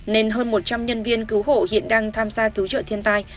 nên hơn một trăm linh nhân viên cứu hộ hiện đang tham gia cứu trợ thiên tai